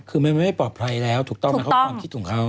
คือมันไม่ปลอดภัยแล้วถูกต้องไหมครับความคิดของเขา